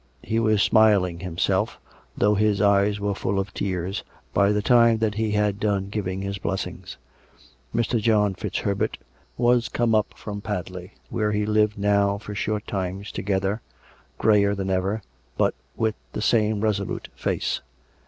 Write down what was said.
He was smiling himself, though his eyes were full of tears, by the time that he had done giving his blessings. 316 COME RACK! COME ROPE! 317 Mr. John FitzHerbert was come up from Padley, where he lived now for short times together, greyer than ever, but with the same resolute face.